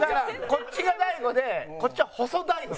こっちが大悟でこっちは細大悟？